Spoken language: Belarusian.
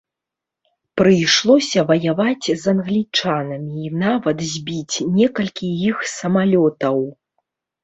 Прыйшлося ваяваць з англічанамі і нават збіць некалькі іх самалётаў.